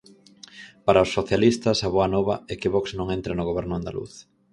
Para os socialistas, a boa nova é que Vox non entre no Goberno andaluz.